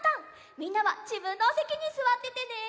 みんなはじぶんのおせきにすわっててね。